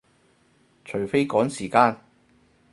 除非趕時間